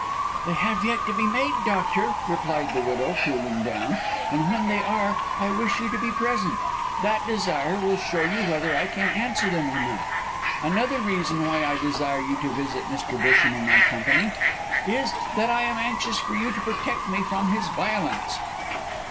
"They have yet to be made, doctor," replied the widow, cooling down, "And when they are I wish you to be present. That desire will show you whether I can answer them or not. Another reason why I desire you to visit Mr. Busham in my company is that I am anxious for you to protect me from his violence."